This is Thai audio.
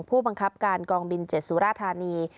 ผู้บังคับการกองบิน๗สุราธานี